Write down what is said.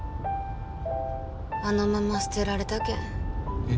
あのまま捨てられたけんえっ？